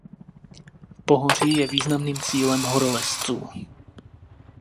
Pohoří je významným cílem horolezců.